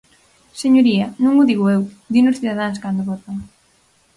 Señoría, non o digo eu, dino os cidadáns cando votan.